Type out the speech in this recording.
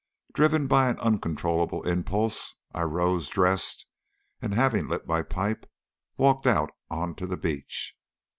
Driven by an uncontrollable impulse, I rose, dressed, and having lit my pipe, walked out on to the beach.